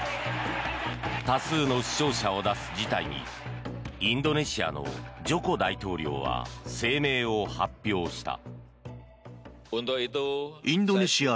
多数の死傷者を出す事態にインドネシアのジョコ大統領は声明を発表した。